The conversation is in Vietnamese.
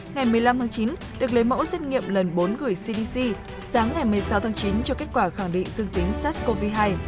ngày một mươi năm tháng chín được lấy mẫu xét nghiệm lần bốn gửi cdc sáng ngày một mươi sáu tháng chín cho kết quả khẳng định dương tính sars cov hai